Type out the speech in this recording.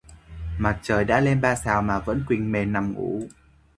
Mặt trời đã lên ba sào mà vẫn quỳnh mền nằm ngủ